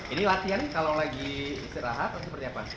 ini latihan kalau lagi istirahat atau seperti apa